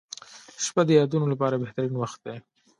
• شپه د یادونو لپاره بهترین وخت دی.